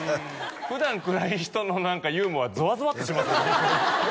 普段暗い人の何かユーモアゾワゾワってしますね